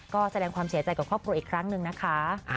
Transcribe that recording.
ก็แสดงความเสียใจกับครอบครัวอีกครั้งหนึ่งนะคะ